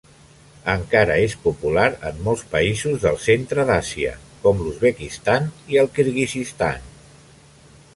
Encara és popular en molts països del centre d'Àsia, com l'Uzbekistan i el Kirguizistan.